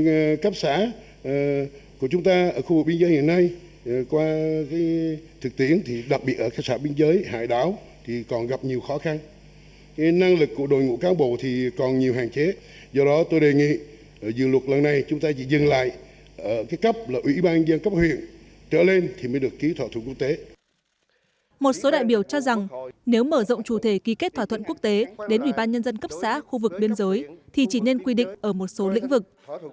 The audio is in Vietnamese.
một số đại biểu cho rằng nếu mở rộng chủ thể ký kết thỏa thuận quốc tế đến ủy ban nhân dân cấp xã khu vực biên giới thì chỉ nên quy định ở một số lĩnh vực